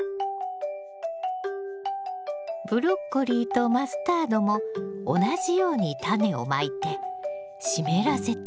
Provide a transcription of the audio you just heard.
ブロッコリーとマスタードも同じようにタネをまいて湿らせて。